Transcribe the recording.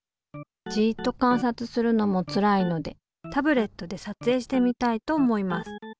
じっと観察するのもつらいのでタブレットでさつえいしてみたいと思います。